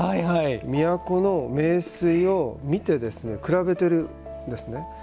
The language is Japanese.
都の名水を見て比べているんですね。